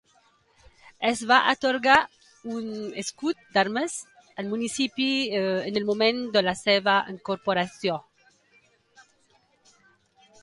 Es va atorgar un escut d'armes al municipi en el moment de la seva incorporació.